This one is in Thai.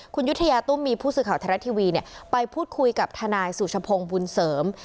คุณยุธยาตุ้มมีผู้สื่อข่าวไทยรัฐทีวีไปพูดคุยกับทนายสุชพงศ์บุญเสริม